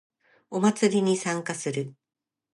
お祭りに参加する